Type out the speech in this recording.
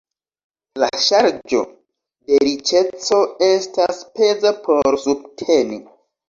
La ŝarĝo de riĉeco estas peza por subteni.